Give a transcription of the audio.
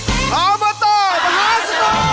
อบตมหาสนุก